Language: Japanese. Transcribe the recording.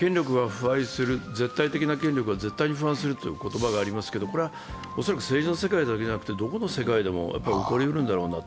絶対的な権力は絶対に腐敗するという言葉がありますが、これは恐らく政治の世界だけじゃなくて、どこの世界でも起こりうるんだろうなと。